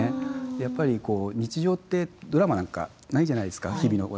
やっぱりこう日常ってドラマなんかないじゃないですか日々の。